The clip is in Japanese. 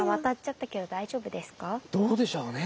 どうでしょうね？